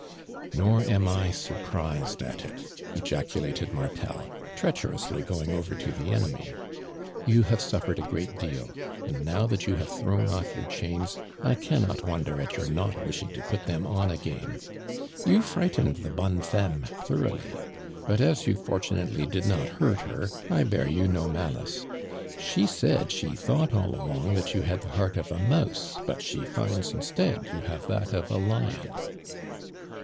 "Nor am I surprised at it!" ejaculated Mai'tel, treacherously going over to the enemy. " You have suffered a great deal, and now that you have thrown off your chains, I cannot wonder at your not wish ing to put them on again. You frightened the bonne femvie thoroughly, but as you for tunately did not hurt her, 1 bear you no malice. .She said she thought all along that you had the heart of a mouse, but the finds instead you have that of a lion."